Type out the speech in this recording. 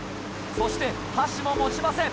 そして箸も持ちません。